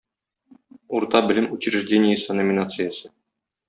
"Урта белем учреждениесе" номинациясе.